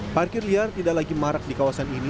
parkir liar tidak lagi marak di kawasan ini